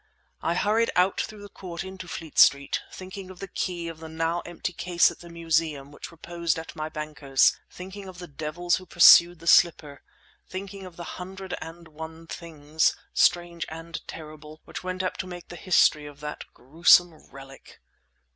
I hurried out through the court into Fleet Street, thinking of the key of the now empty case at the Museum which reposed at my bankers, thinking of the devils who pursued the slipper, thinking of the hundred and one things, strange and terrible, which went to make up the history of that gruesome relic.